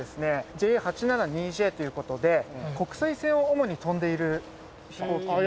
ＪＡ８７２Ｊという事で国際線を主に飛んでいる飛行機になりまして。